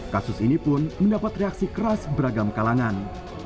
kasus ini pun mendapat reaksi keras beragam kalangan